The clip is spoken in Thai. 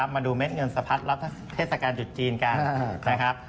มาดูเม็ดเงินสะพัดรับเศรษฐการณ์จุดจีนกัน